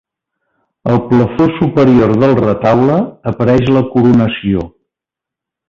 Al plafó superior del retaule apareix la Coronació.